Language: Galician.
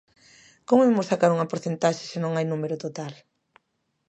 ¿Como imos sacar unha porcentaxe se non hai número total?